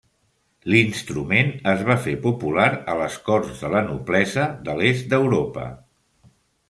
L'instrument es va fer popular a les corts de la noblesa l'Est d'Europa.